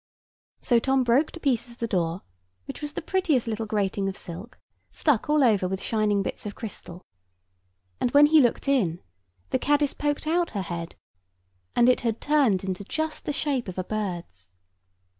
So Tom broke to pieces the door, which was the prettiest little grating of silk, stuck all over with shining bits of crystal; and when he looked in, the caddis poked out her head, and it had turned into just the shape of a bird's.